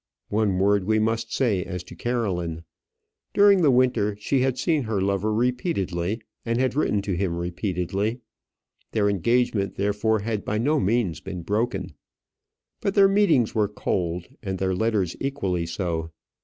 One word we must say as to Caroline. During the winter she had seen her lover repeatedly, and had written to him repeatedly. Their engagement, therefore, had by no means been broken. But their meetings were cold, and their letters equally so.